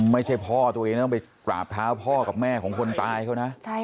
ไม่ใช่พ่อตัวเองต้องไปกราบเท้าพ่อกับแม่ของคนตายเขานะ